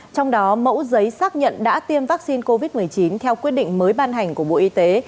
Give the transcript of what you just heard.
trong đó mẫu giấy xác nhận đã tiêm vaccine covid một mươi chín theo quyết định mới ban hành của bộ y tế